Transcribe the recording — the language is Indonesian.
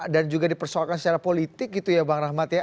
dan juga dipersoalkan secara politik gitu ya bang rahmat ya